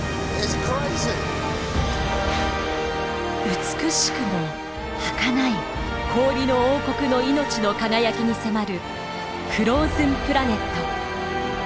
美しくもはかない氷の王国の命の輝きに迫る「フローズンプラネット」。